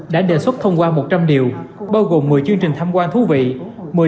đã đề xuất thông qua một trăm linh điều bao gồm một mươi chương trình tham quan thú vị